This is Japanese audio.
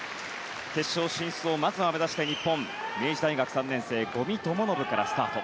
決勝進出をまずは目指して日本明治大学３年生五味智信からスタート。